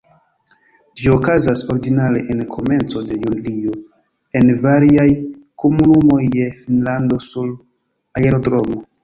Ĝi okazas ordinare en komenco de julio en variaj komunumoj de Finnlando sur aerodromo.